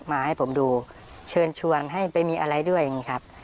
มาให้ผมดูเชิญชวนให้ไปมีอะไรด้วยอย่างนี้ครับ